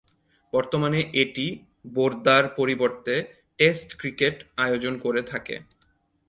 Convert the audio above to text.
বর্তমানে এটি বোর্দা’র পরিবর্তে টেস্ট ক্রিকেট আয়োজন করে থাকে।